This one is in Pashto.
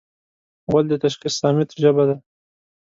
غول د تشخیص صامت ژبه ده.